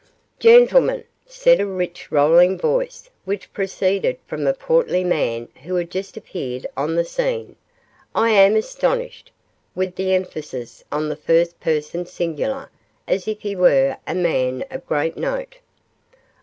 'Gentlemen!' said a rich rolling voice, which proceeded from a portly man who had just appeared on the scene. 'I am astonished,' with the emphasis on the first person singular, as if he were a man of great note.